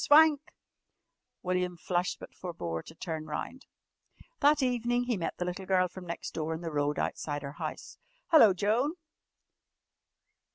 "Swank!" William flushed but forbore to turn round. That evening he met the little girl from next door in the road outside her house. "Hello, Joan!"